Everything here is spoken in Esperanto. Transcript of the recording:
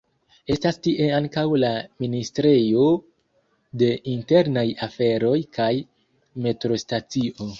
Estas tie ankaŭ la Ministrejo de Internaj Aferoj kaj metrostacio.